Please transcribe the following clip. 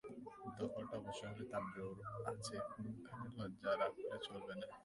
দখলটা প্রকাশ্য হলে তার জোর আছে, কোনোখানে লজ্জা রাকলে চলবে না।